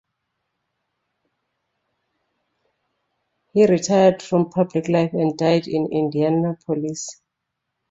He retired from public life and died in Indianapolis.